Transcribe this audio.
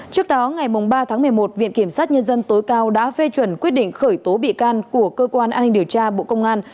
trước đó ngày ba tháng một mươi một viện kiểm sát nhân dân tối cao đã phê chuẩn quyết định khởi tố bị can của cơ quan an ninh điều tra bộ công an